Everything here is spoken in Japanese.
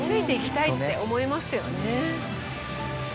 って思いますよね。